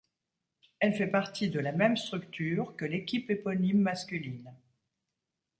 Elle fait partie de la même structure que l'équipe éponyme masculine.